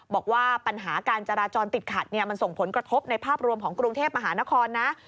บอกว่าปัญหาการจราจรติดขัดมันส่งผลกระทบในภาพรวมของกรุงเทพมหานครนะ